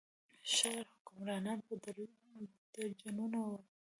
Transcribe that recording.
ښار حکمرانان په درجنونو وو.